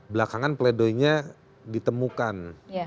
belakangan pledoynya ditemukan